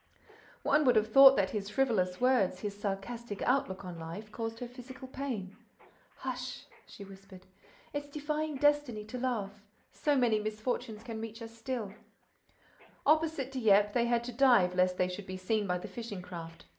One would have thought that his frivolous words, his sarcastic outlook on life, caused her physical pain. "Hush!" she whispered. "It's defying destiny to laugh—so many misfortunes can reach us still!" Opposite Dieppe, they had to dive lest they should be seen by the fishing craft.